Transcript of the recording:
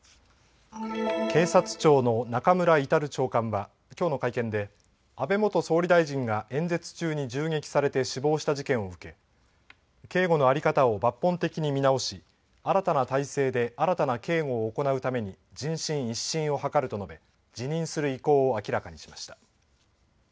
警察庁の中村格長官はきょうの会見で安倍元総理大臣が演説中に銃撃されて死亡した事件を受け警護の在り方を抜本的に見直し新たな体制で新たな警護を行うために人心一新を図ると述べ、辞任する意向を明らかにしました。